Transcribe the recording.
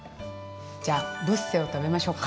じゃあブッセを食べましょうか。